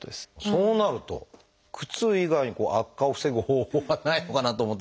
そうなると靴以外に悪化を防ぐ方法はないのかなと思ったりしますが。